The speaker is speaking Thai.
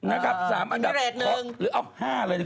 อันดับที่หนึ่งเนี่ย